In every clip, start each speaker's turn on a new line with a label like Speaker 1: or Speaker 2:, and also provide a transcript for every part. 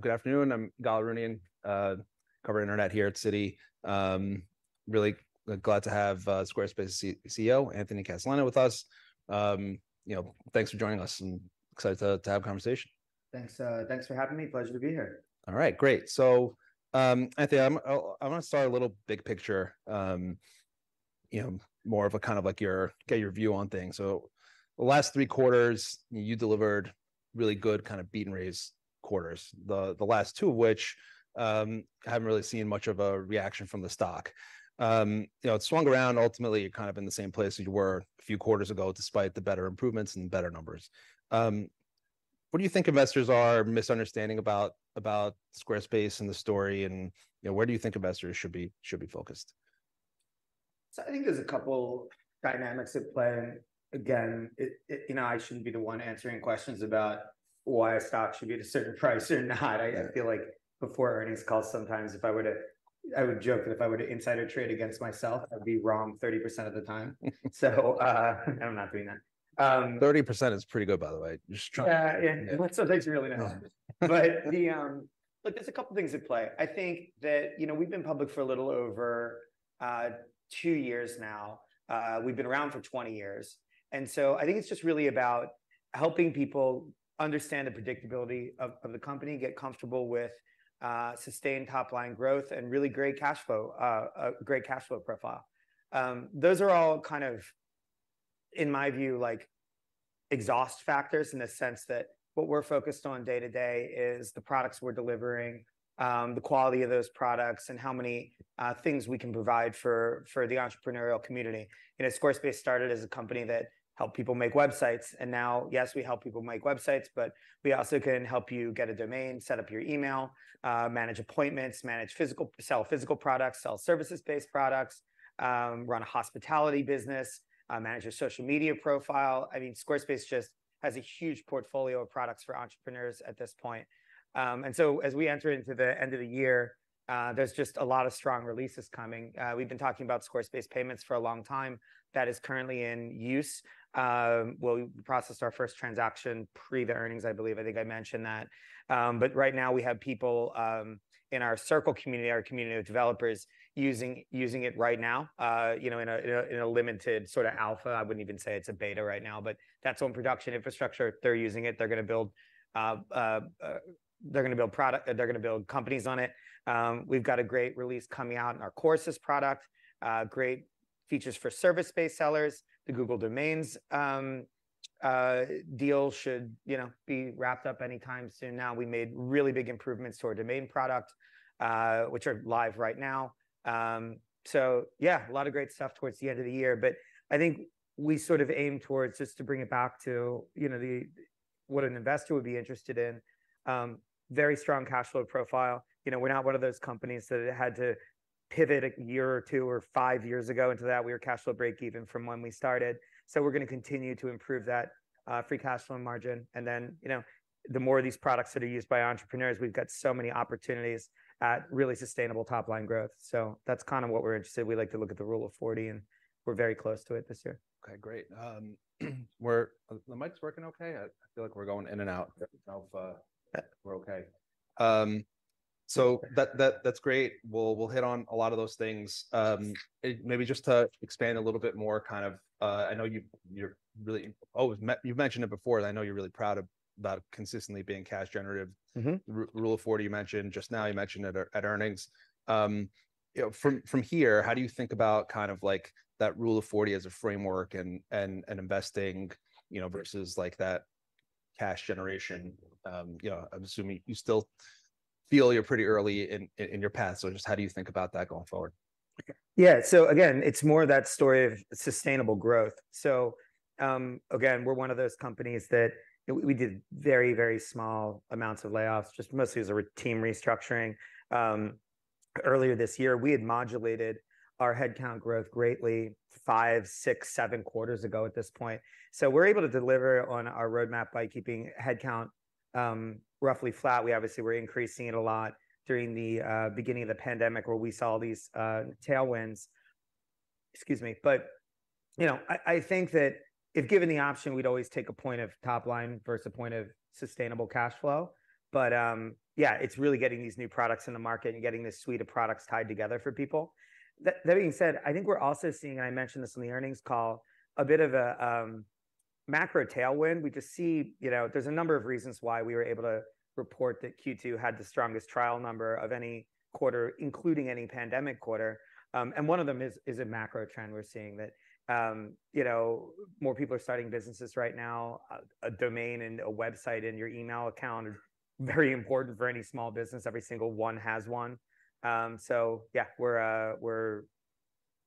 Speaker 1: Good afternoon. I'm Ygal Arounian, cover internet here at Citi. Really glad to have Squarespace CEO, Anthony Casalena, with us. You know, thanks for joining us, and excited to have a conversation.
Speaker 2: Thanks for having me. Pleasure to be here.
Speaker 1: All right, great. So, Anthony, I wanna start a little big picture, you know, more of a kind of like your view on things. So the last three quarters, you delivered really good kind of beat and raise quarters. The last two, which haven't really seen much of a reaction from the stock. You know, it swung around ultimately kind of in the same place as you were a few quarters ago, despite the better improvements and better numbers. What do you think investors are misunderstanding about Squarespace and the story, and, you know, where do you think investors should be focused?
Speaker 2: So I think there's a couple dynamics at play. Again, you know, I shouldn't be the one answering questions about why a stock should be at a certain price or not. I feel like before earnings calls, sometimes if I were to... I would joke that if I were to insider trade against myself, I'd be wrong 30% of the time. So, and I'm not doing that.
Speaker 1: 30% is pretty good, by the way. Just trying-
Speaker 2: Yeah, yeah, when some things are really nice. But the... Look, there's a couple things at play. I think that, you know, we've been public for a little over, 2 years now. We've been around for 20 years, and so I think it's just really about helping people understand the predictability of, of the company, get comfortable with, sustained top-line growth and really great cash flow, great cash flow profile. Those are all kind of, in my view, like exhaust factors, in the sense that what we're focused on day to day is the products we're delivering, the quality of those products, and how many, things we can provide for the entrepreneurial community. You know, Squarespace started as a company that helped people make websites, and now, yes, we help people make websites, but we also can help you get a domain, set up your email, manage appointments, sell physical products, sell services-based products, run a hospitality business, manage a social media profile. I mean, Squarespace just has a huge portfolio of products for entrepreneurs at this point. And so as we enter into the end of the year, there's just a lot of strong releases coming. We've been talking about Squarespace Payments for a long time. That is currently in use. Well, we processed our first transaction pre the earnings, I believe. I think I mentioned that. But right now we have people in our Circle community, our community of developers, using it right now, you know, in a limited sort of alpha. I wouldn't even say it's a beta right now, but that's on production infrastructure. They're using it. They're gonna build companies on it. We've got a great release coming out in our courses product, great features for service-based sellers. The Google Domains deal should, you know, be wrapped up any time soon now. We made really big improvements to our domain product, which are live right now. So yeah, a lot of great stuff towards the end of the year, but I think we sort of aim towards, just to bring it back to, you know, the what an investor would be interested in, very strong cash flow profile. You know, we're not one of those companies that had to pivot a year or two, or five years ago into that. We were cash flow break even from when we started, so we're gonna continue to improve that, free cash flow margin. And then, you know, the more these products that are used by entrepreneurs, we've got so many opportunities at really sustainable top-line growth. So that's kind of what we're interested in. We like to look at the Rule of 40, and we're very close to it this year. Okay, great. The mic's working okay? I feel like we're going in and out. We're okay.
Speaker 1: So that's great. We'll hit on a lot of those things. Maybe just to expand a little bit more, kind of, I know you're really always. You've mentioned it before, and I know you're really proud about consistently being cash generative.
Speaker 2: Mm-hmm.
Speaker 1: Rule of 40, you mentioned just now, you mentioned it at earnings. You know, from here, how do you think about kind of like that Rule of 40 as a framework and investing, you know, versus like that cash generation? You know, I'm assuming you still feel you're pretty early in your path, so just how do you think about that going forward?
Speaker 2: Yeah. So again, it's more that story of sustainable growth. So, again, we're one of those companies that we did very, very small amounts of layoffs, just mostly as a team restructuring. Earlier this year, we had modulated our headcount growth greatly five, six, seven quarters ago at this point. So we're able to deliver on our roadmap by keeping headcount, roughly flat. We obviously were increasing it a lot during the beginning of the pandemic, where we saw these tailwinds. Excuse me. But, you know, I think that if given the option, we'd always take a point of top line versus a point of sustainable cash flow. But, yeah, it's really getting these new products in the market and getting this suite of products tied together for people. That being said, I think we're also seeing, and I mentioned this on the earnings call, a bit of a macro tailwind. We just see... You know, there's a number of reasons why we were able to report that Q2 had the strongest trial number of any quarter, including any pandemic quarter, and one of them is a macro trend we're seeing, that you know, more people are starting businesses right now. A domain, and a website, and your email account are very important for any small business. Every single one has one. So yeah, we're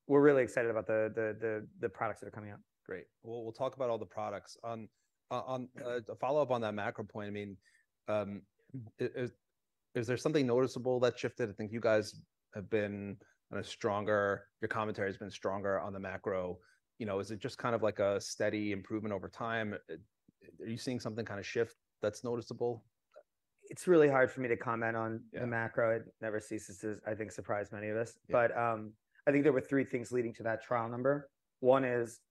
Speaker 2: really excited about the products that are coming out.
Speaker 1: Great. Well, we'll talk about all the products. On to follow up on that macro point, I mean, is there something noticeable that shifted? I think you guys have been stronger, your commentary has been stronger on the macro. You know, is it just kind of like a steady improvement over time? Are you seeing something kind of shift that's noticeable?
Speaker 2: It's really hard for me to comment on the macro. It never ceases to, I think, surprise many of us. But, I think there were three things leading to that trial number. One is,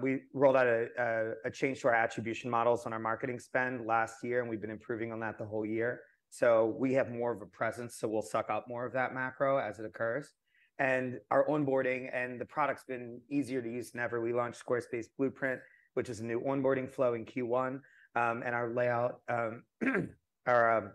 Speaker 2: we rolled out a change to our attribution models on our marketing spend last year, and we've been improving on that the whole year. So we have more of a presence, so we'll suck up more of that macro as it occurs. And our onboarding and the product's been easier to use than ever. We launched Squarespace Blueprint, which is a new onboarding flow in Q1. And our layout, our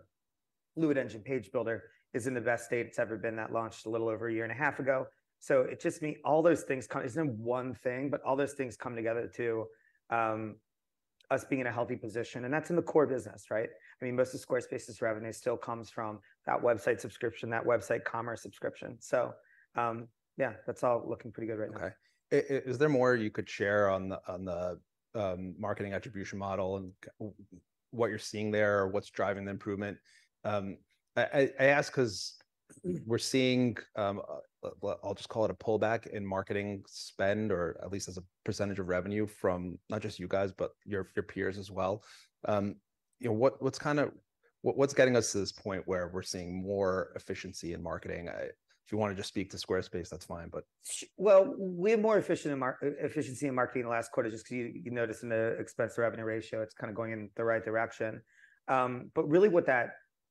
Speaker 2: Fluid Engine page builder is in the best state it's ever been. That launched a little over a year and a half ago. So it's just all those things it's not one thing, but all those things come together to us being in a healthy position, and that's in the core business, right? I mean, most of Squarespace's revenue still comes from that website subscription, that website commerce subscription. So, yeah, that's all looking pretty good right now.
Speaker 1: Okay. Is there more you could share on the, on the, marketing attribution model, and what you're seeing there or what's driving the improvement? I ask 'cause we're seeing, well, I'll just call it a pullback in marketing spend, or at least as a percentage of revenue from not just you guys, but your, your peers as well. You know, what, what's kind of... what's getting us to this point where we're seeing more efficiency in marketing? If you wanna just speak to Squarespace, that's fine, but-
Speaker 2: Well, we're more efficient in marketing in the last quarter, just 'cause you noticed in the expense to revenue ratio, it's kind of going in the right direction. But really what that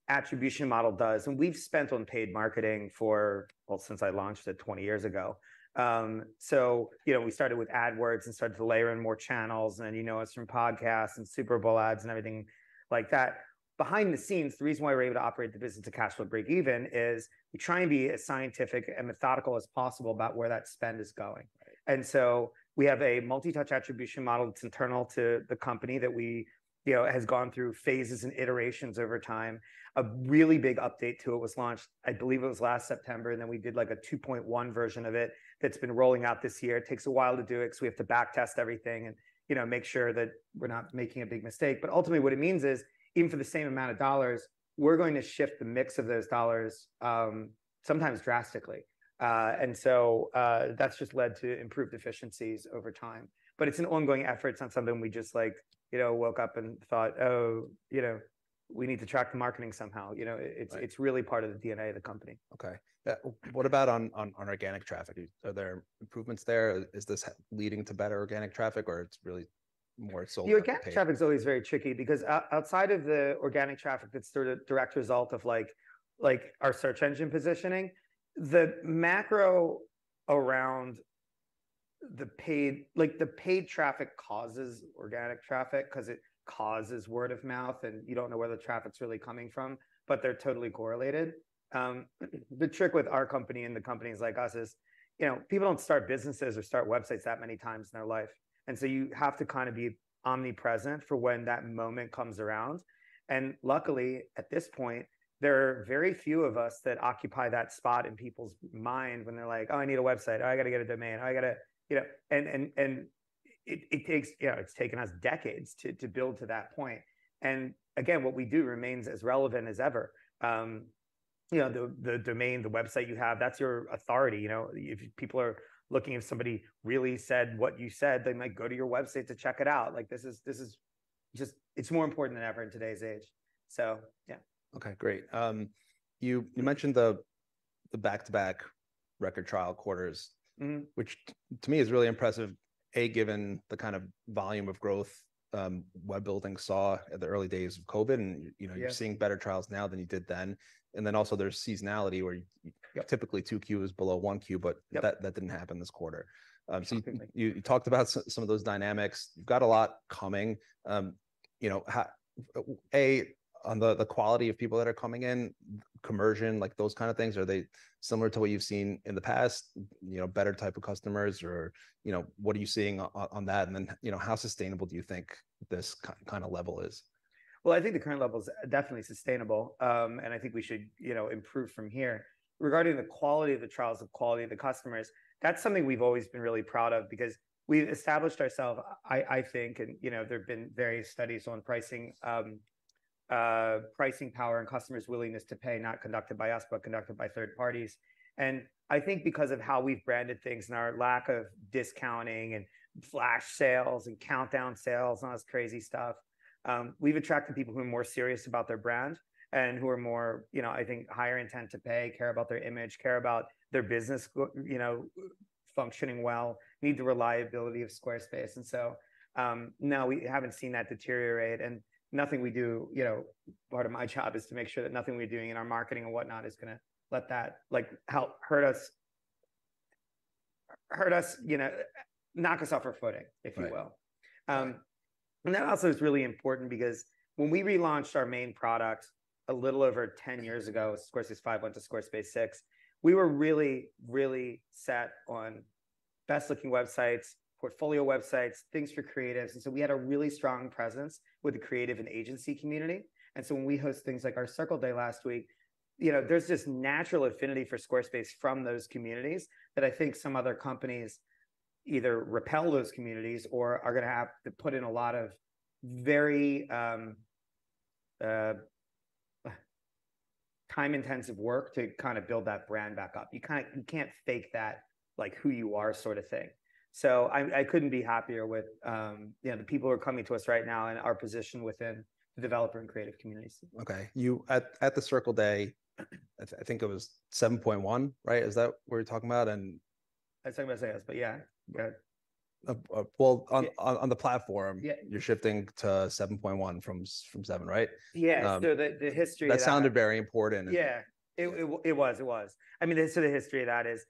Speaker 2: attribution model does... And we've spent on paid marketing for, well, since I launched it 20 years ago. So, you know, we started with AdWords and started to layer in more channels, and you know us from podcasts and Super Bowl ads and everything like that. Behind the scenes, the reason why we're able to operate the business to cash flow break even is we try and be as scientific and methodical as possible about where that spend is going. And so We have a multi-touch attribution model that's internal to the company that we, you know, it has gone through phases and iterations over time. A really big update to it was launched, I believe it was last September, and then we did, like, a 2.1 version of it that's been rolling out this year. It takes a while to do it, 'cause we have to backtest everything and, you know, make sure that we're not making a big mistake. But ultimately what it means is, even for the same amount of dollars, we're going to shift the mix of those dollars, sometimes drastically. And so, that's just led to improved efficiencies over time. But it's an ongoing effort. It's not something we just, like, you know, woke up and thought, "Oh, you know, we need to track the marketing somehow." You know it's really part of the DNA of the company.
Speaker 1: Okay. What about organic traffic? Are there improvements there? Is this leading to better organic traffic, or it's really more so-
Speaker 2: Organic traffic is always very tricky, because outside of the organic traffic, that's sort of a direct result of like our search engine positioning. The macro around the paid... Like, the paid traffic causes organic traffic, 'cause it causes word-of-mouth, and you don't know where the traffic's really coming from, but they're totally correlated. The trick with our company and the companies like us is, you know, people don't start businesses or start websites that many times in their life, and so you have to kind of be omnipresent for when that moment comes around. And luckily, at this point, there are very few of us that occupy that spot in people's mind when they're like, "Oh, I need a website. Oh, I gotta get a domain. Oh, I gotta..." You know, and it takes... You know, it's taken us decades to build to that point. And again, what we do remains as relevant as ever. You know, the domain, the website you have, that's your authority, you know? If people are looking, if somebody really said what you said, they might go to your website to check it out. Like, this is just... It's more important than ever in today's age. So, yeah.
Speaker 1: Okay, great. You mentioned the back-to-back record trial quarters which to me is really impressive, A, given the kind of volume of growth, web building saw at the early days of COVID, and you know you're seeing better trials now than you did then. And then also there's seasonality, where typically 2Q is below 1Q, but that, that didn't happen this quarter. So you talked about some of those dynamics. You've got a lot coming, you know, on the quality of people that are coming in, conversion, like, those kind of things, are they similar to what you've seen in the past? You know, better type of customers or, you know, what are you seeing on that? And then, you know, how sustainable do you think this kind of level is?
Speaker 2: Well, I think the current level's definitely sustainable. And I think we should, you know, improve from here. Regarding the quality of the trials, the quality of the customers, that's something we've always been really proud of, because we've established ourselves, I think, and, you know, there have been various studies on pricing, pricing power and customers' willingness to pay, not conducted by us, but conducted by third parties. And I think because of how we've branded things and our lack of discounting and flash sales and countdown sales, all this crazy stuff, we've attracted people who are more serious about their brand and who are more, you know, I think, higher intent to pay, care about their image, care about their business, you know, functioning well, need the reliability of Squarespace. And so, no, we haven't seen that deteriorate, and nothing we do... You know, part of my job is to make sure that nothing we're doing in our marketing and whatnot is gonna let that, like, help hurt us, hurt us, you know, knock us off our footing if you will. And that also is really important because when we relaunched our main product a little over 10 years ago, Squarespace 5 went to Squarespace 6, we were really, really set on best-looking websites, portfolio websites, things for creatives, and so we had a really strong presence with the creative and agency community. And so when we host things like our Circle Day last week, you know, there's this natural affinity for Squarespace from those communities that I think some other companies either repel those communities or are gonna have to put in a lot of very time-intensive work to kind of build that brand back up. You kinda, you can't fake that, like, who you are sort of thing. So I couldn't be happier with, you know, the people who are coming to us right now and our position within the developer and creative communities.
Speaker 1: Okay. You at the Circle Day, I think it was 7.1, right? Is that what you're talking about and-
Speaker 2: I was talking about SaaS, but yeah.
Speaker 1: Well, on the platform you're shifting to 7.1 from 7, right?
Speaker 2: So the history of that-
Speaker 1: That sounded very important.
Speaker 2: Yeah. It was. I mean, so the history of that is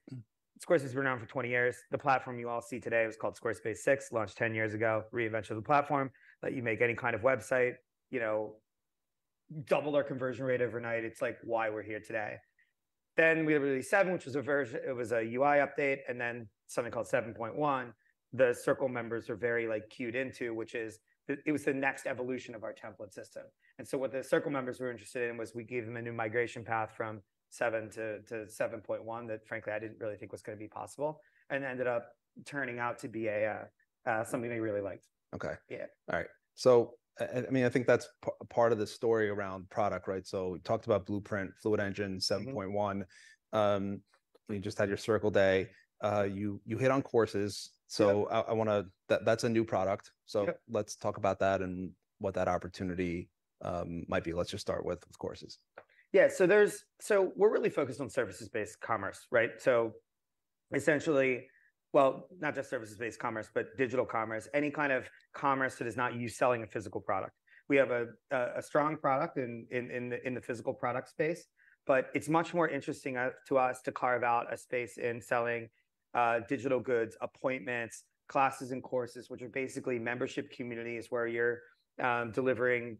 Speaker 2: Squarespace has been around for 20 years. The platform you all see today was called Squarespace 6, launched 10 years ago, reinvention of the platform. Let you make any kind of website, you know, doubled our conversion rate overnight. It's like why we're here today. Then we released 7, which was a version. It was a UI update, and then something called 7.1. The Circle members are very, like, clued into, which is the- it was the next evolution of our template system. And so what the Circle members were interested in was we gave them a new migration path from 7 to 7.1, that frankly I didn't really think was gonna be possible, and ended up turning out to be a something they really liked.
Speaker 1: Okay.
Speaker 2: Yeah.
Speaker 1: All right. So, and I mean, I think that's part of the story around product, right? So we talked about Blueprint, Fluid Engine 7.1. And you just had your Circle Day. You, you hit on courses so I wanna. That's a new product. Let's talk about that and what that opportunity might be. Let's just start with the courses.
Speaker 2: Yeah, so we're really focused on services-based commerce, right? So essentially, well, not just services-based commerce, but digital commerce, any kind of commerce that is not you selling a physical product. We have a strong product in the physical product space, but it's much more interesting to us to carve out a space in selling digital goods, appointments, classes and courses, which are basically membership communities where you're delivering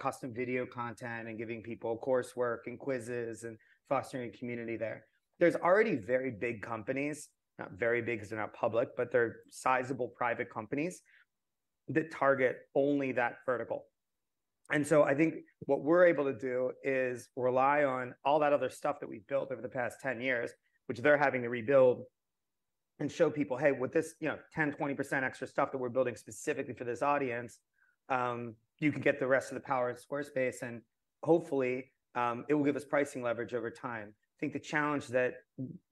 Speaker 2: custom video content and giving people coursework and quizzes and fostering a community there. There's already very big companies, not very big 'cause they're not public, but they're sizable private companies, that target only that vertical. And so I think what we're able to do is rely on all that other stuff that we've built over the past 10 years, which they're having to rebuild, and show people, "Hey, with this, you know, 10%-20% extra stuff that we're building specifically for this audience, you can get the rest of the power of Squarespace," and hopefully, it will give us pricing leverage over time. I think the challenge that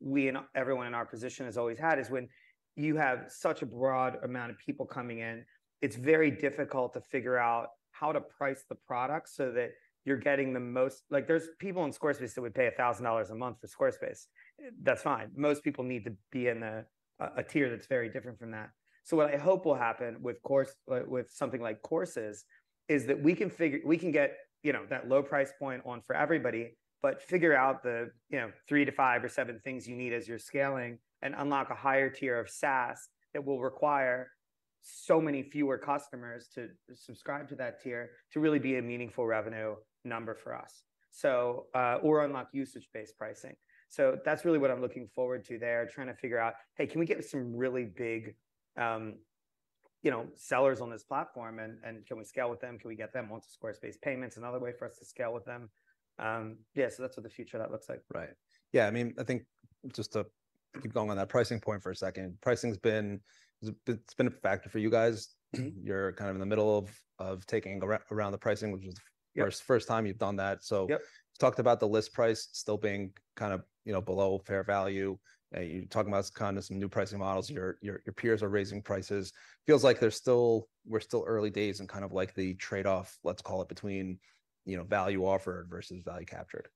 Speaker 2: we and everyone in our position has always had is when you have such a broad amount of people coming in, it's very difficult to figure out how to price the product so that you're getting the most... Like, there's people on Squarespace that would pay $1,000 a month for Squarespace. That's fine. Most people need to be in a tier that's very different from that. So what I hope will happen with something like courses is that we can get, you know, that low price point on for everybody, but figure out the, you know, 3-5 or 7 things you need as you're scaling, and unlock a higher tier of SaaS that will require so many fewer customers to subscribe to that tier to really be a meaningful revenue number for us. So, or unlock usage-based pricing. So that's really what I'm looking forward to there, trying to figure out, hey, can we get some really big, you know, sellers on this platform and can we scale with them? Can we get them onto Squarespace Payments? Another way for us to scale with them. Yeah, so that's what the future of that looks like.
Speaker 1: Right. Yeah, I mean, I think just to keep going on that pricing point for a second, pricing's been, it's been a factor for you guys. You're kind of in the middle of taking around the pricing, which is first time you've done that, so-
Speaker 2: Yep
Speaker 1: talked about the list price still being kind of, you know, below fair value. You're talking about kind of some new pricing models, your, your, your peers are raising prices. Feels like there's still we're still early days and kind of like the trade-off, let's call it, between, you know, value offered versus value captured.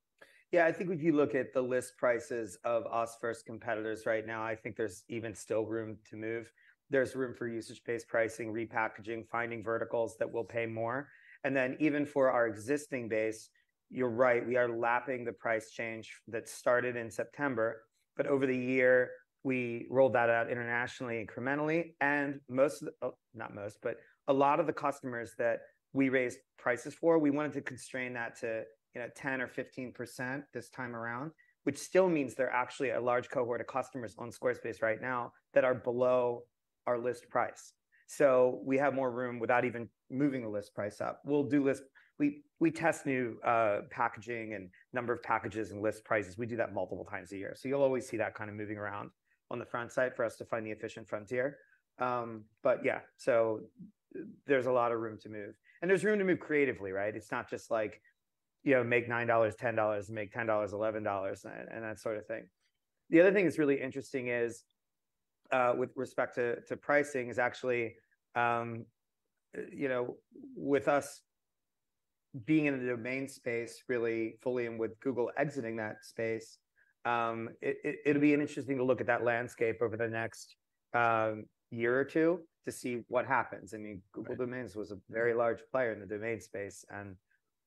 Speaker 2: Yeah, I think if you look at the list prices of us versus competitors right now, I think there's even still room to move. There's room for usage-based pricing, repackaging, finding verticals that will pay more. And then even for our existing base, you're right, we are lapping the price change that started in September, but over the year, we rolled that out internationally, incrementally. And most of the—oh, not most, but a lot of the customers that we raised prices for, we wanted to constrain that to, you know, 10% or 15% this time around, which still means there are actually a large cohort of customers on Squarespace right now that are below our list price. So we have more room without even moving the list price up. We'll do list we test new packaging and number of packages and list prices. We do that multiple times a year, so you'll always see that kind of moving around on the front side for us to find the efficient frontier. But yeah, so there's a lot of room to move, and there's room to move creatively, right? It's not just like, you know, make $9, $10, make $10, $11 and that sort of thing. The other thing that's really interesting is, with respect to pricing, is actually, you know, with us being in the domain space really fully and with Google exiting that space, it'll be interesting to look at that landscape over the next year or two to see what happens. I mean Google Domains was a very large player in the domain space and,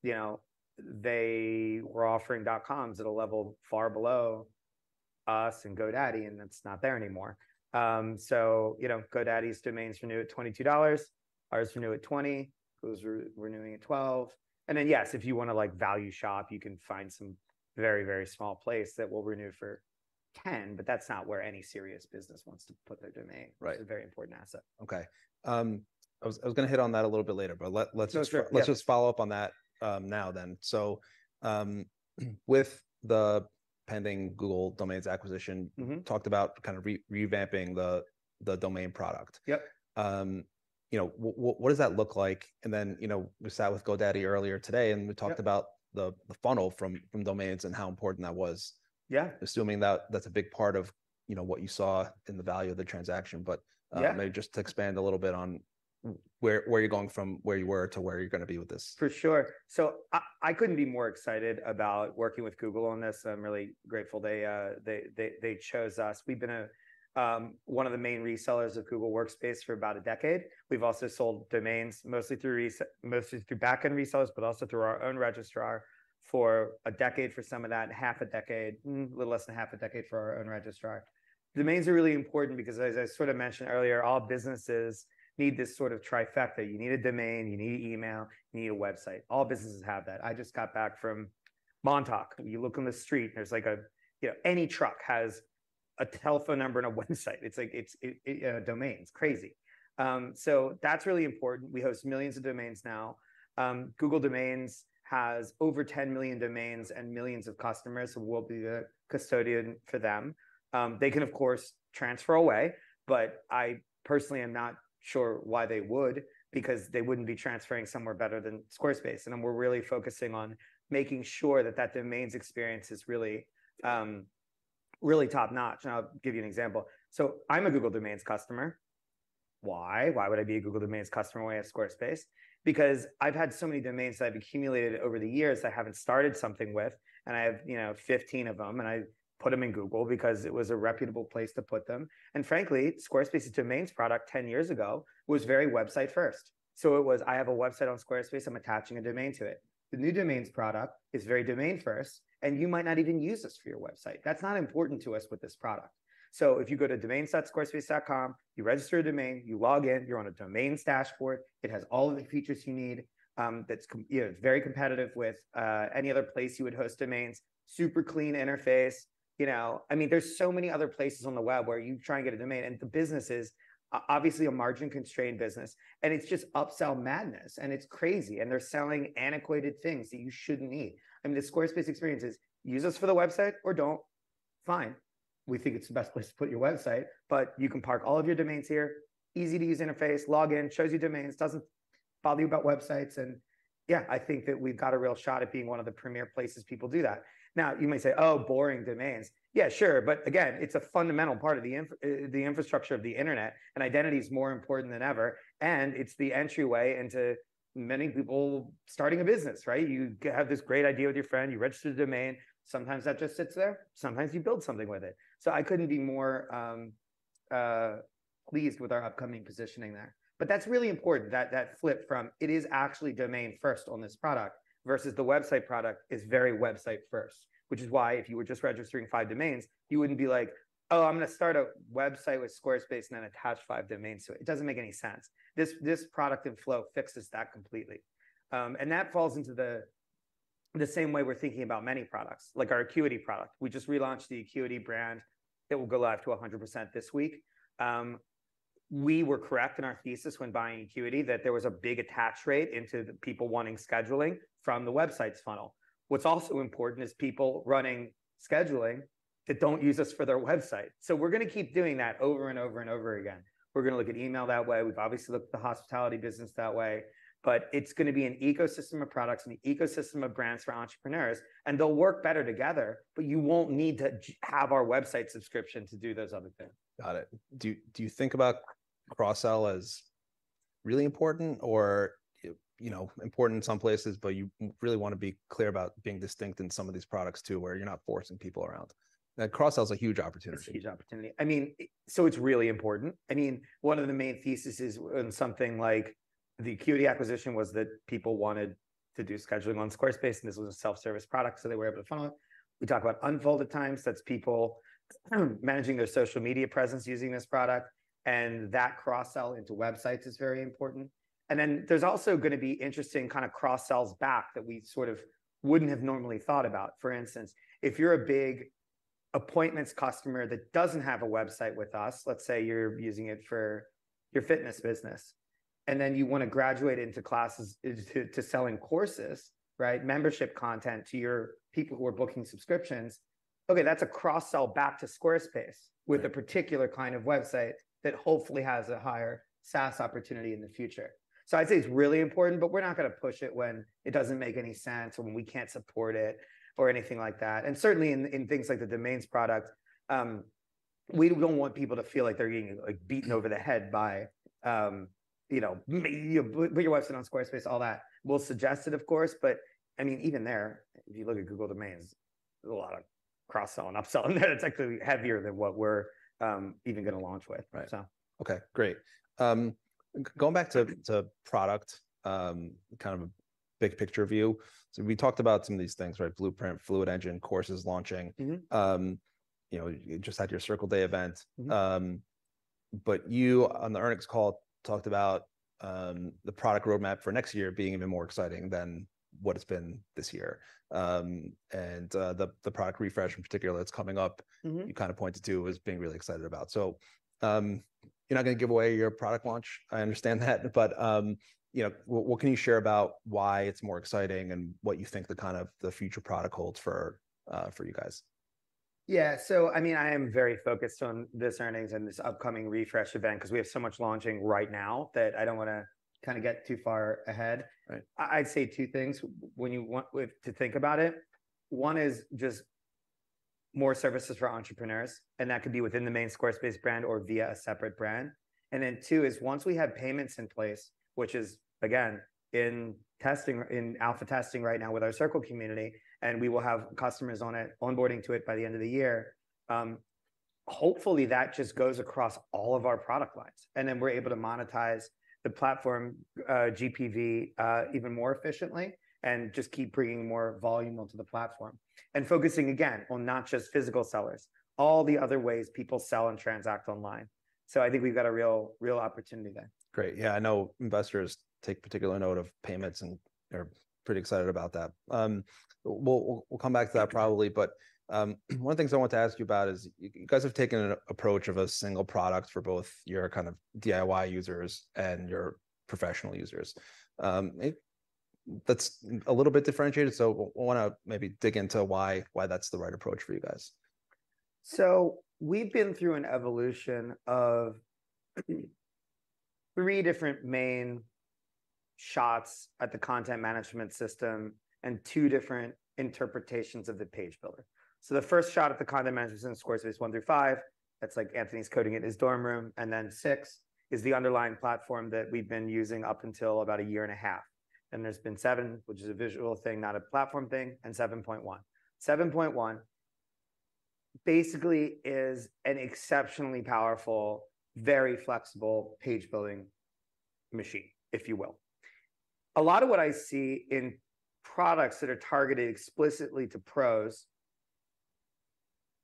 Speaker 2: you know, they were offering dot-coms at a level far below us and GoDaddy, and that's not there anymore. So, you know, GoDaddy's domains renew at $22, ours renew at $20, Google's renewing at $12. And then, yes, if you wanna, like, value shop, you can find some very, very small place that will renew for $10, but that's not where any serious business wants to put their domain.
Speaker 1: Right.
Speaker 2: It's a very important asset.
Speaker 1: Okay. I was gonna hit on that a little bit later, but let's just-
Speaker 2: No, sure, yeah.
Speaker 1: let's just follow up on that, now then. So, with the pending Google Domains acquisition talked about kind of revamping the domain product.
Speaker 2: Yep.
Speaker 1: You know, what does that look like? And then, you know, we sat with GoDaddy earlier today, and we talked about the funnel from domains and how important that was.
Speaker 2: Yeah.
Speaker 1: Assuming that that's a big part of, you know, what you saw in the value of the transaction, but-
Speaker 2: Yeah
Speaker 1: maybe just to expand a little bit on where you're going from where you were to where you're gonna be with this.
Speaker 2: For sure. So I couldn't be more excited about working with Google on this. I'm really grateful they chose us. We've been one of the main resellers of Google Workspace for about a decade. We've also sold domains, mostly through backend resellers, but also through our own registrar for a decade, for some of that, half a decade, a little less than half a decade for our own registrar. Domains are really important because as I sort of mentioned earlier, all businesses need this sort of trifecta. You need a domain, you need email, you need a website. All businesses have that. I just got back from Montauk, and you look on the street, and there's like a... You know, any truck has a telephone number and a website. It's like a domain. It's crazy. So that's really important. We host millions of domains now. Google Domains has over 10 million domains, and millions of customers will be the custodian for them. They can, of course, transfer away, but I personally am not sure why they would, because they wouldn't be transferring somewhere better than Squarespace, and we're really focusing on making sure that that domains experience is really, really top-notch, and I'll give you an example. So I'm a Google Domains customer. Why? Why would I be a Google Domains customer when I have Squarespace? Because I've had so many domains that I've accumulated over the years I haven't started something with, and I have, you know, 15 of them, and I put them in Google because it was a reputable place to put them. And frankly, Squarespace's Domains product 10 years ago was very website first. So it was, I have a website on Squarespace, I'm attaching a domain to it. The new Domains product is very domain first, and you might not even use us for your website. That's not important to us with this product. So if you go to domains.squarespace.com, you register a domain, you log in, you're on a domains dashboard, it has all of the features you need. You know, it's very competitive with any other place you would host domains, super clean interface. You know, I mean, there's so many other places on the web where you try and get a domain, and the business is obviously a margin-constrained business, and it's just upsell madness, and it's crazy, and they're selling antiquated things that you shouldn't need. I mean, the Squarespace experience is: use us for the website or don't. Fine. We think it's the best place to put your website, but you can park all of your domains here, easy-to-use interface, log in, shows you domains, doesn't bother you about websites. And yeah, I think that we've got a real shot at being one of the premier places people do that. Now, you may say, "Oh, boring, domains." Yeah, sure, but again, it's a fundamental part of the infrastructure of the internet, and identity is more important than ever, and it's the entryway into many people starting a business, right? You have this great idea with your friend. You register the domain. Sometimes that just sits there. Sometimes you build something with it. So I couldn't be more pleased with our upcoming positioning there. But that's really important, that flip from it is actually domain first on this product, versus the website product is very website first, which is why if you were just registering five domains, you wouldn't be like, "Oh, I'm gonna start a website with Squarespace and then attach five domains to it." It doesn't make any sense. This product and flow fixes that completely. And that falls into the same way we're thinking about many products, like our Acuity product. We just relaunched the Acuity brand. It will go live to 100% this week. We were correct in our thesis when buying Acuity that there was a big attach rate into the people wanting scheduling from the website's funnel. What's also important is people running scheduling that don't use us for their website. So we're gonna keep doing that over and over and over again. We're gonna look at email that way. We've obviously looked at the hospitality business that way, but it's gonna be an ecosystem of products and an ecosystem of brands for entrepreneurs, and they'll work better together, but you won't need to have our website subscription to do those other things.
Speaker 1: Got it. Do you think about cross-sell as really important or, you know, important in some places, but you really wanna be clear about being distinct in some of these products, too, where you're not forcing people around? Now, cross-sell is a huge opportunity. It's a huge opportunity. I mean, it, so it's really important. I mean, one of the main theses is, in something like the Acuity acquisition, was that people wanted to do scheduling on Squarespace, and this was a self-service product, so they were able to funnel it. We talk about Unfold. That's people managing their social media presence using this product, and that cross-sell into websites is very important. And then there's also gonna be interesting kind of cross-sells back that we sort of wouldn't have normally thought about. For instance, if you're a big appointments customer that doesn't have a website with us, let's say you're using it for your fitness business, and then you wanna graduate into classes, into selling courses, right, membership content to your people who are booking subscriptions, okay, that's a cross-sell back to Squarespace- Right
Speaker 2: with a particular kind of website that hopefully has a higher SaaS opportunity in the future. So I'd say it's really important, but we're not gonna push it when it doesn't make any sense or when we can't support it or anything like that. And certainly in things like the Domains product, we don't want people to feel like they're getting, like, beaten over the head by, you know, "Maybe put your website on Squarespace," all that. We'll suggest it, of course, but, I mean, even there, if you look at Google Domains, there's a lot of cross-selling and upselling that it's actually heavier than what we're, even gonna launch with.
Speaker 1: Right.
Speaker 2: So.
Speaker 1: Okay, great. Going back to, to product, kind of a big-picture view, so we talked about some of these things, right? Blueprint, Fluid Engine, courses launching you know, you just had your Circle Day event. But you, on the earnings call, talked about the product roadmap for next year being even more exciting than what it's been this year. And the product refresh in particular that's coming up you kind of pointed to as being really excited about. So, you're not gonna give away your product launch, I understand that but, you know, what can you share about why it's more exciting and what you think the kind of future product holds for you guys?
Speaker 2: Yeah, so I mean, I am very focused on this earnings and this upcoming refresh event, 'cause we have so much launching right now that I don't wanna kind of get too far ahead.
Speaker 1: Right.
Speaker 2: I'd say two things when you want to think about it. One is just more services for entrepreneurs, and that could be within the main Squarespace brand or via a separate brand. And then two is, once we have payments in place, which is, again, in testing, in alpha testing right now with our Circle community, and we will have customers on it onboarding to it by the end of the year, hopefully, that just goes across all of our product lines, and then we're able to monetize the platform, GPV, even more efficiently, and just keep bringing more volume onto the platform. And focusing, again, on not just physical sellers, all the other ways people sell and transact online. So I think we've got a real, real opportunity there.
Speaker 1: Great. Yeah, I know investors take particular note of payments, and they're pretty excited about that. We'll come back to that probably, but one of the things I wanted to ask you about is, you guys have taken an approach of a single product for both your kind of DIY users and your professional users. That's a little bit differentiated, so wanna maybe dig into why, why that's the right approach for you guys.
Speaker 2: So we've been through an evolution of three different main shots at the content management system and two different interpretations of the page builder. So the first shot at the content management system in Squarespace, 1 through 5, that's like Anthony's coding in his dorm room, and then 6 is the underlying platform that we've been using up until about a year and a half. Then there's been 7, which is a visual thing, not a platform thing, and 7.1. 7.1 basically is an exceptionally powerful, very flexible page-building machine, if you will. A lot of what I see in products that are targeted explicitly to pros,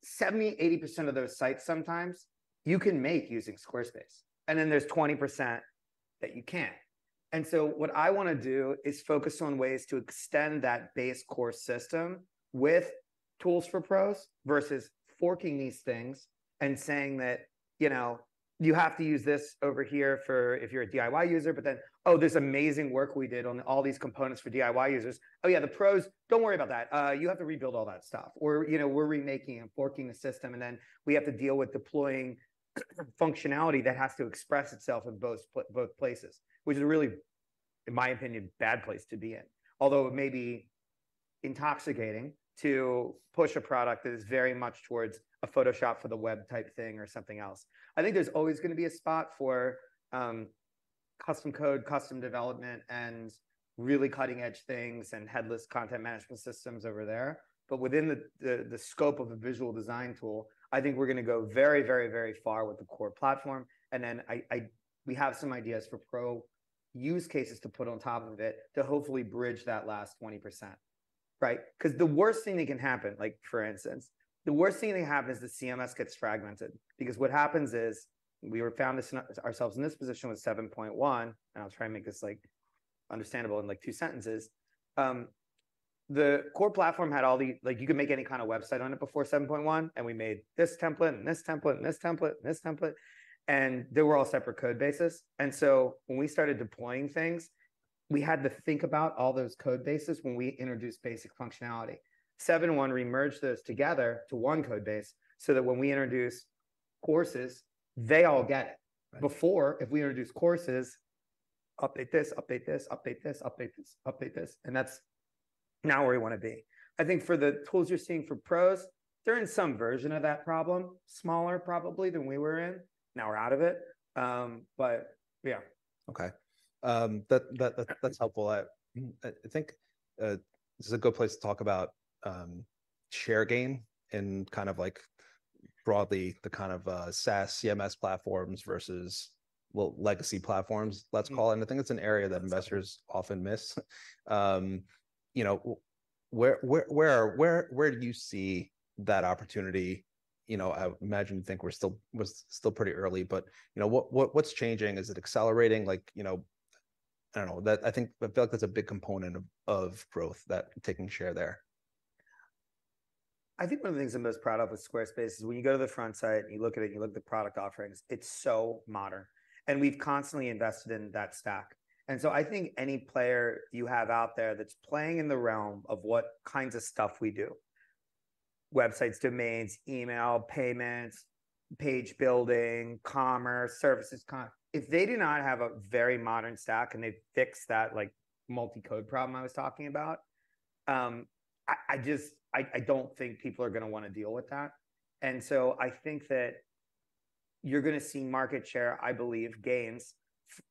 Speaker 2: 70%-80% of those sites sometimes, you can make using Squarespace, and then there's 20% that you can't. So what I wanna do is focus on ways to extend that base core system with tools for pros, versus forking these things and saying that, "You know, you have to use this over here for if you're a DIY user," but then, "Oh, this amazing work we did on all these components for DIY users... Oh yeah, the pros, don't worry about that. You have to rebuild all that stuff." Or, you know, we're remaking and forking the system, and then we have to deal with deploying functionality that has to express itself in both places, which is really, in my opinion, a bad place to be in. Although it may be intoxicating to push a product that is very much towards a Photoshop for the web type thing or something else. I think there's always gonna be a spot for custom code, custom development, and really cutting-edge things and headless content management systems over there. But within the scope of a visual design tool, I think we're gonna go very, very, very far with the core platform, and then we have some ideas for pro use cases to put on top of it, to hopefully bridge that last 20%, right? 'Cause the worst thing that can happen, like, for instance, the worst thing that can happen is the CMS gets fragmented. Because what happens is, we found ourselves in this position with 7.1, and I'll try and make this, like, understandable in, like, two sentences. The core platform had all the, like, you could make any kind of website on it before 7.1, and we made this template, and this template, and this template, and this template, and they were all separate code bases. So when we started deploying things, we had to think about all those code bases when we introduced basic functionality. 7.1, we merged those together to one code base, so that when we introduce courses, they all get it.
Speaker 1: Right.
Speaker 2: Before, if we introduced courses, update this, update this, update this, update this, update this, and that's not where we wanna be. I think for the tools you're seeing for pros, they're in some version of that problem. Smaller, probably, than we were in. Now we're out of it. But yeah.
Speaker 1: Okay. That, that's helpful. I think this is a good place to talk about share gain and kind of like broadly, the kind of SaaS CMS platforms versus, well, legacy platforms, let's call it. I think it's an area that investors often miss. You know, where do you see that opportunity? You know, I would imagine think we're still, we're still pretty early, but, you know, what's changing? Is it accelerating? Like, you know, I don't know. I think, I feel like that's a big component of growth, that taking share there.
Speaker 2: I think one of the things I'm most proud of with Squarespace is when you go to the frontend, and you look at it, and you look at the product offerings, it's so modern, and we've constantly invested in that stack. So I think any player you have out there that's playing in the realm of what kinds of stuff we do, websites, domains, email, payments, page building, commerce, services. If they do not have a very modern stack, and they fix that, like, multi-code problem I was talking about, I just... I don't think people are gonna wanna deal with that. And so I think that you're gonna see market share, I believe, gains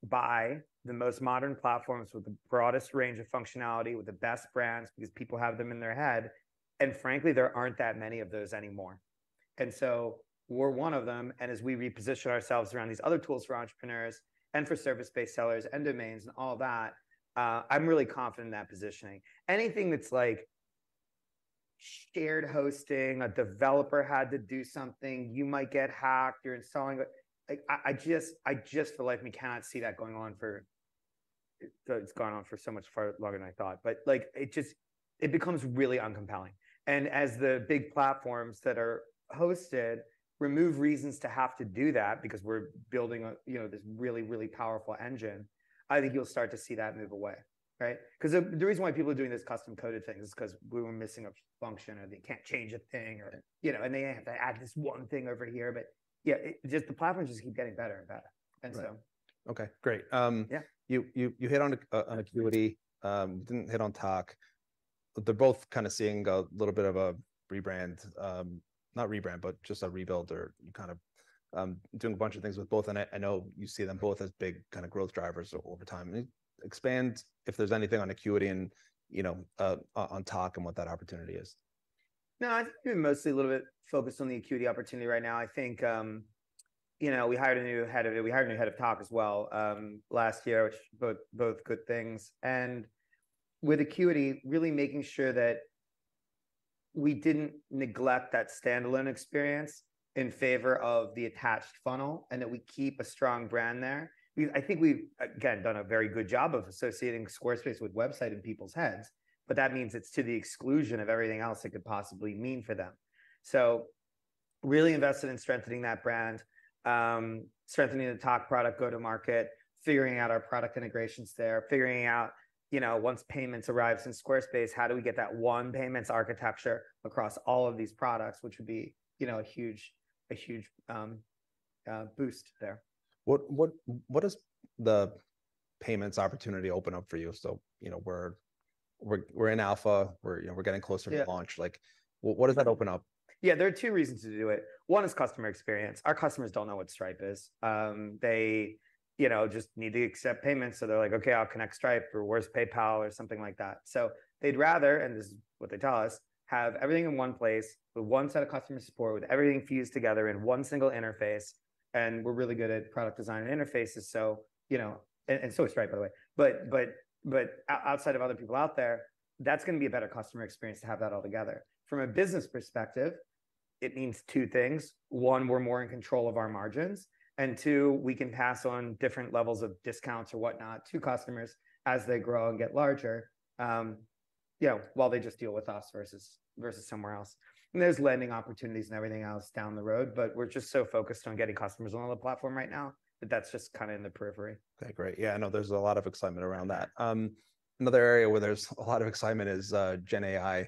Speaker 2: by the most modern platforms with the broadest range of functionality, with the best brands, because people have them in their head, and frankly, there aren't that many of those anymore. And so we're one of them, and as we reposition ourselves around these other tools for entrepreneurs and for service-based sellers, and domains, and all that, I'm really confident in that positioning. Anything that's like shared hosting, a developer had to do something, you might get hacked, you're installing a... Like, I just feel like we cannot see that going on for... It, it's gone on for so much far longer than I thought. But like, it just, it becomes really uncompelling, and as the big platforms that are hosted remove reasons to have to do that, because we're building a, you know, this really, really powerful engine, I think you'll start to see that move away.... right? 'Cause the, the reason why people are doing this custom-coded thing is 'cause we were missing a function, or they can't change a thing, or you know, and they have to add this one thing over here. But, yeah, just the platforms just keep getting better and better.
Speaker 1: Right.
Speaker 2: And so.
Speaker 1: Okay, great. Yeah, you hit on Acuity. You didn't hit on Tock. They're both kind of seeing a little bit of a rebrand. Not rebrand, but just a rebuild, or you kind of doing a bunch of things with both, and I know you see them both as big kind of growth drivers over time. Can you expand if there's anything on Acuity and, you know, on Tock and what that opportunity is?
Speaker 2: No, I've been mostly a little bit focused on the Acuity opportunity right now. I think, you know, we hired a new head of it. We hired a new head of Tock as well, last year, which both good things. And with Acuity, really making sure that we didn't neglect that standalone experience in favor of the attached funnel, and that we keep a strong brand there. I think we've, again, done a very good job of associating Squarespace with website in people's heads, but that means it's to the exclusion of everything else it could possibly mean for them. So really invested in strengthening that brand, strengthening the Tock product go-to-market, figuring out our product integrations there, figuring out, you know, once payments arrives in Squarespace, how do we get that one payments architecture across all of these products, which would be, you know, a huge, a huge, boost there.
Speaker 1: What does the payments opportunity open up for you? So, you know, we're in alpha. We're, you know, getting closer to launch. Like, what does that open up?
Speaker 2: Yeah, there are two reasons to do it. One is customer experience. Our customers don't know what Stripe is. They, you know, just need to accept payments, so they're like, "Okay, I'll connect Stripe," or, "Where's PayPal?" Or something like that. So they'd rather, and this is what they tell us, have everything in one place, with one set of customer support, with everything fused together in one single interface, and we're really good at product design and interfaces, so, you know. And so is Stripe, by the way. But outside of other people out there, that's gonna be a better customer experience to have that all together. From a business perspective, it means two things. One, we're more in control of our margins. Two, we can pass on different levels of discounts or whatnot to customers as they grow and get larger, you know, while they just deal with us versus somewhere else. There's lending opportunities and everything else down the road, but we're just so focused on getting customers on the platform right now, that that's just kind of in the periphery.
Speaker 1: Okay, great. Yeah, I know there's a lot of excitement around that. Another area where there's a lot of excitement is GenAI.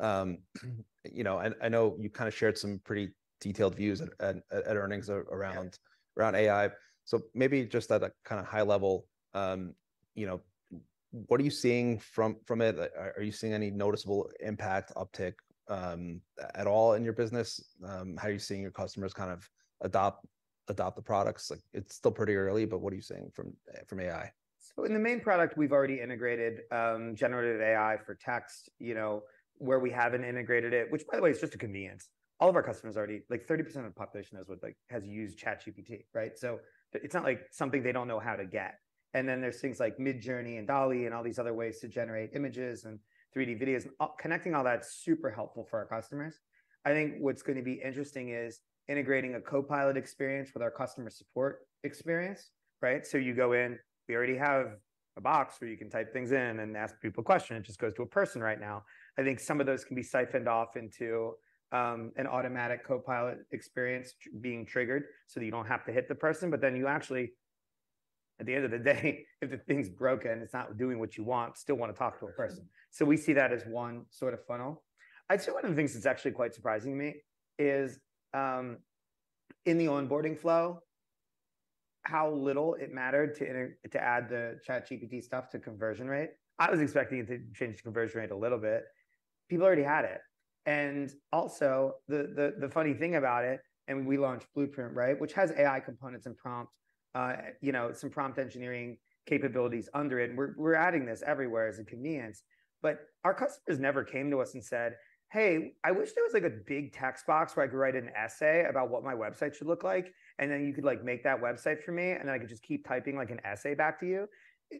Speaker 1: You know, and I know you kind of shared some pretty detailed views at earnings around AI. So maybe just at a kind of high level, you know, what are you seeing from it? Are you seeing any noticeable impact, uptick at all in your business? How are you seeing your customers kind of adopt the products? Like, it's still pretty early, but what are you seeing from AI?
Speaker 2: So in the main product, we've already integrated generated AI for text. You know, where we haven't integrated it. Which, by the way, is just a convenience. All of our customers already—like 30% of the population knows what, like, has used ChatGPT, right? So it's not like something they don't know how to get. And then there's things like Midjourney and DALL-E, and all these other ways to generate images and 3D videos. Connecting all that is super helpful for our customers. I think what's gonna be interesting is integrating a Copilot experience with our customer support experience, right? So you go in, we already have a box where you can type things in and ask people a question, it just goes to a person right now. I think some of those can be siphoned off into an automatic copilot experience being triggered, so that you don't have to hit the person, but then you actually, at the end of the day, if the thing's broken, it's not doing what you want, still wanna talk to a person. So we see that as one sort of funnel. I'd say one of the things that's actually quite surprising me is, in the onboarding flow, how little it mattered to add the ChatGPT stuff to conversion rate. I was expecting it to change the conversion rate a little bit. People already had it. And also, the funny thing about it, and we launched Blueprint, right, which has AI components and prompt, you know, some prompt engineering capabilities under it, and we're adding this everywhere as a convenience, but our customers never came to us and said, "Hey, I wish there was, like, a big text box where I could write an essay about what my website should look like, and then you could, like, make that website for me, and then I could just keep typing, like, an essay back to you."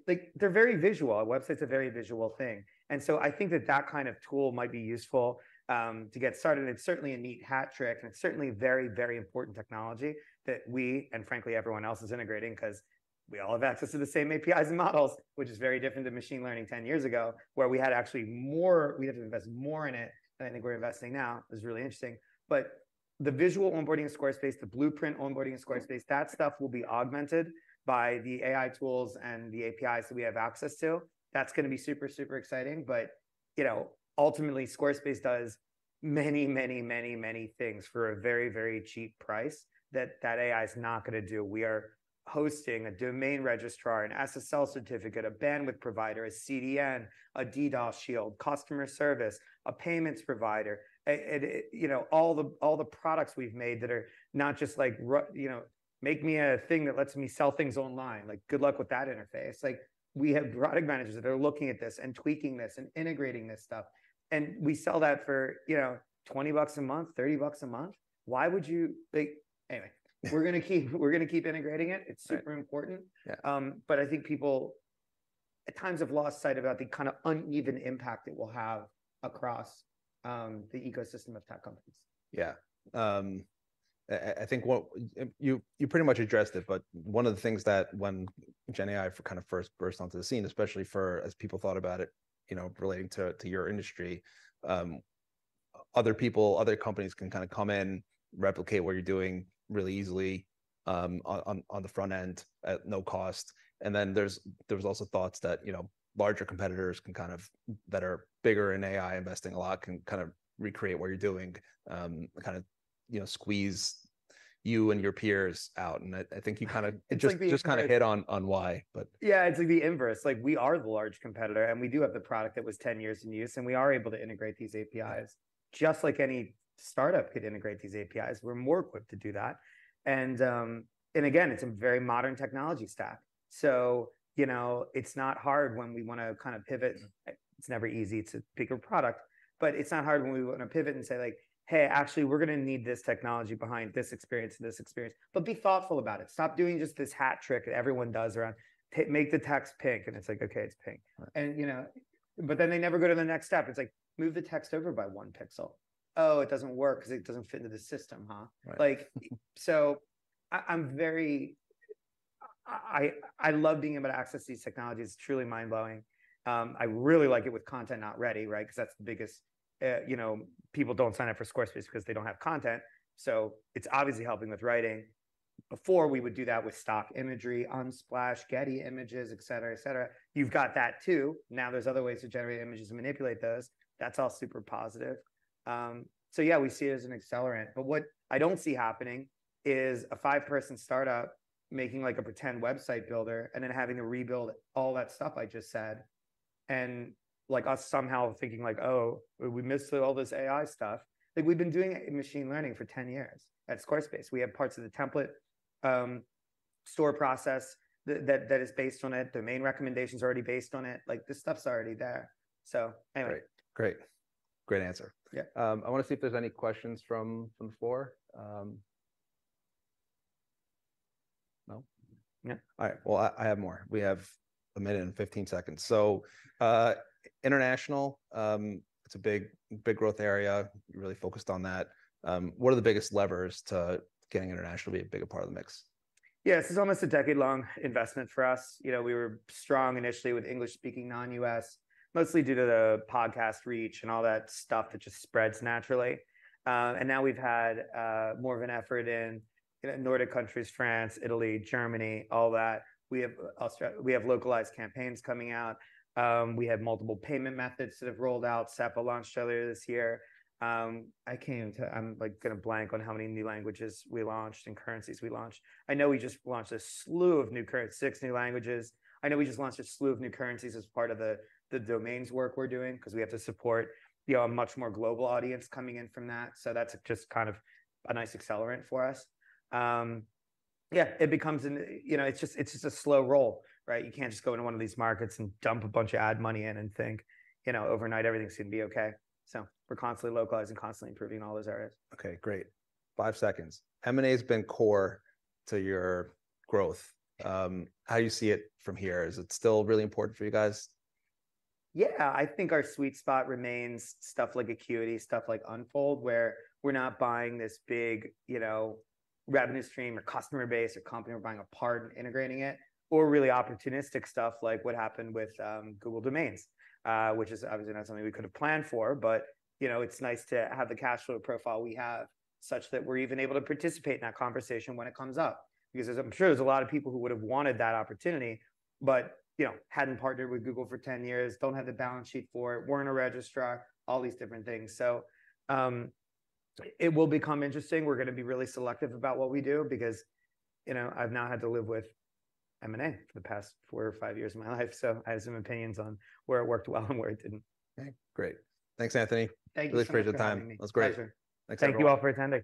Speaker 2: Like, they're very visual. A website's a very visual thing, and so I think that that kind of tool might be useful, to get started. And it's certainly a neat hat trick, and it's certainly very, very important technology that we, and frankly, everyone else, is integrating, 'cause we all have access to the same APIs and models, which is very different to machine learning ten years ago, where we had actually more we'd have to invest more in it than I think we're investing now. It's really interesting. But the visual onboarding in Squarespace, the Blueprint onboarding in Squarespace, that stuff will be augmented by the AI tools and the APIs that we have access to. That's gonna be super, super exciting. But, you know, ultimately, Squarespace does many, many, many, many things for a very, very cheap price that, that AI is not gonna do. We are hosting a domain registrar, an SSL certificate, a bandwidth provider, a CDN, a DDoS shield, customer service, a payments provider, and, you know, all the, all the products we've made that are not just like you know, make me a thing that lets me sell things online. Like, good luck with that interface. Like, we have product managers that are looking at this, and tweaking this, and integrating this stuff, and we sell that for, you know, $20 a month, $30 a month. Why would you... Like, anyway, we're gonna keep- we're gonna keep integrating it.
Speaker 1: Right.
Speaker 2: It's super important.
Speaker 1: Yeah.
Speaker 2: I think people at times have lost sight about the kind of uneven impact it will have across the ecosystem of tech companies.
Speaker 1: Yeah. I think what you pretty much addressed it, but one of the things that when GenAI kind of first burst onto the scene, especially for, as people thought about it, you know, relating to your industry, other people, other companies can kind of come in, replicate what you're doing really easily on the front end at no cost. And then there's, there was also thoughts that, you know, larger competitors can kind of that are bigger in AI, investing a lot, can kind of recreate what you're doing, kind of, you know, squeeze you and your peers out. And I think you kind of-
Speaker 2: Just the-
Speaker 1: Just kind of hit on why, but-
Speaker 2: Yeah, it's like the inverse. Like, we are the large competitor, and we do have the product that was 10 years in use, and we are able to integrate these APIs, just like any startup could integrate these APIs. We're more equipped to do that. And, and again, it's a very modern technology stack. So, you know, it's not hard when we wanna kind of pivot. It's never easy to pick a product, but it's not hard when we wanna pivot and say like, "Hey, actually, we're gonna need this technology behind this experience and this experience." But be thoughtful about it. Stop doing just this hat trick that everyone does around pi- make the text pink, and it's like, "Okay, it's pink.
Speaker 1: Right.
Speaker 2: You know, but then they never go to the next step. It's like, "Move the text over by one pixel. Oh, it doesn't work, 'cause it doesn't fit into the system, huh?
Speaker 1: Right.
Speaker 2: Like, so I'm very... I love being able to access these technologies. It's truly mind-blowing. I really like it with content not ready, right? 'Cause that's the biggest... You know, people don't sign up for Squarespace because they don't have content, so it's obviously helping with writing. Before, we would do that with stock imagery, Unsplash, Getty Images, et cetera, et cetera. You've got that, too. Now, there's other ways to generate images and manipulate those. That's all super positive. So yeah, we see it as an accelerant. But what I don't see happening is a five-person startup making, like, a pretend website builder and then having to rebuild all that stuff I just said, and like, us somehow thinking, like, "Oh, we missed all this AI stuff." Like, we've been doing it in machine learning for 10 years at Squarespace. We have parts of the template, store process that is based on it. Domain recommendations are already based on it. Like, this stuff's already there, so anyway.
Speaker 1: Great. Great. Great answer.
Speaker 2: Yeah.
Speaker 1: I wanna see if there's any questions from, from the floor. No?
Speaker 2: Yeah.
Speaker 1: All right, well, I have more. We have a minute and 15 seconds. So, international, it's a big, big growth area. You're really focused on that. What are the biggest levers to getting international to be a bigger part of the mix?
Speaker 2: Yeah, this is almost a decade-long investment for us. You know, we were strong initially with English-speaking non-U.S., mostly due to the podcast reach and all that stuff that just spreads naturally. And now we've had more of an effort in Nordic countries, France, Italy, Germany, all that. We have Australia. We have localized campaigns coming out. We have multiple payment methods that have rolled out. SEPA launched earlier this year. I can't even tell. I'm, like, gonna blank on how many new languages we launched and currencies we launched. I know we just launched a slew of 6 new languages. I know we just launched a slew of new currencies as part of the domains work we're doing, 'cause we have to support, you know, a much more global audience coming in from that. So that's just kind of a nice accelerant for us. Yeah, it becomes... You know, it's just, it's just a slow roll, right? You can't just go into one of these markets and dump a bunch of ad money in and think, you know, overnight everything's gonna be okay. So we're constantly localizing, constantly improving all those areas.
Speaker 1: Okay, great. Five seconds. M&A's been core to your growth. How do you see it from here? Is it still really important for you guys?
Speaker 2: Yeah, I think our sweet spot remains stuff like Acuity, stuff like Unfold, where we're not buying this big, you know, revenue stream or customer base or company. We're buying a part and integrating it, or really opportunistic stuff, like what happened with Google Domains. Which is obviously not something we could have planned for, but, you know, it's nice to have the cash flow profile we have, such that we're even able to participate in that conversation when it comes up. Because I'm sure there's a lot of people who would have wanted that opportunity but, you know, hadn't partnered with Google for 10 years, don't have the balance sheet for it, weren't a registrar, all these different things. So, it will become interesting. We're gonna be really selective about what we do, because, you know, I've now had to live with M&A for the past four or five years of my life, so I have some opinions on where it worked well and where it didn't.
Speaker 1: Okay, great. Thanks, Anthony.
Speaker 2: Thank you so much for having me.
Speaker 1: Really appreciate your time. It was great.
Speaker 2: Pleasure.
Speaker 1: Thanks, everyone.
Speaker 2: Thank you all for attending.